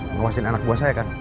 ngawasin anak buah saya kan